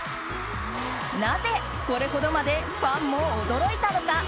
なぜこれほどまでファンも驚いたのか？